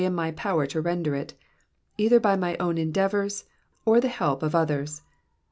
in my power to render it, either by my own endeavours or the help of others.